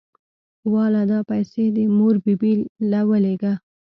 واله دا پيسې دې مور بي بي له ولېګه.